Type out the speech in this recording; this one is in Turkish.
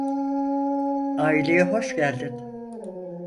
Aileye hoş geldin.